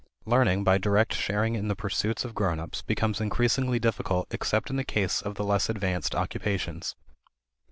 Learning by direct sharing in the pursuits of grown ups becomes increasingly difficult except in the case of the less advanced occupations.